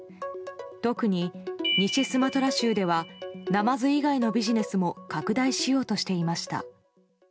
特に、西スマトラ州ではナマズ以外のビジネスも拡大しようとしていました。